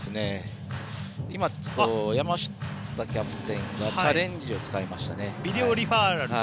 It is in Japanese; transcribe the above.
今、ちょっと山下キャプテンがチャレンジを使いましたね。